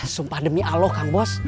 sumpah demi allah kang bos